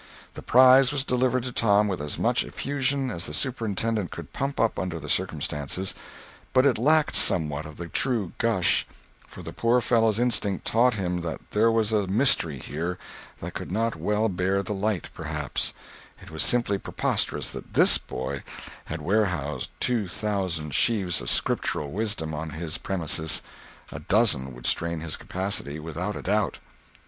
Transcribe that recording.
The prize was delivered to Tom with as much effusion as the superintendent could pump up under the circumstances; but it lacked somewhat of the true gush, for the poor fellow's instinct taught him that there was a mystery here that could not well bear the light, perhaps; it was simply preposterous that this boy had warehoused two thousand sheaves of Scriptural wisdom on his premises—a dozen would strain his capacity, without a doubt.